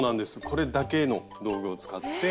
これだけの道具を使って。